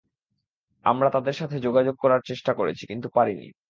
আমরা তাদের সাথে যোগাযোগ করার চেষ্টা করেছি, কিন্তু পারিনি।